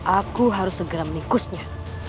aku harus segera menikusnya